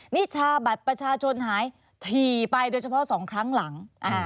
นิชาบัตรประชาชนหายถี่ไปโดยเฉพาะ๒ครั้งหลัง